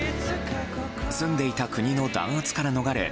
住んでいた国の弾圧から逃れ